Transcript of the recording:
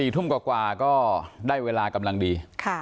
๔ทุ่มกว่าก็ได้เวลากำลังดี